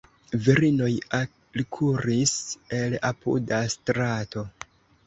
Virinoj alkuris el apuda strato.